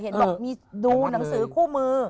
เห็นหมดมีดูหนังสือคู่มือ